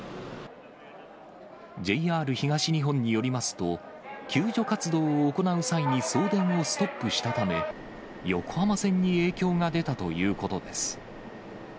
ＪＲ東日本によりますと、救助活動を行う際に送電をストップしたため、横浜線に影響が出たということです。